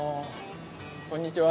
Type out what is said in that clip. こんにちは。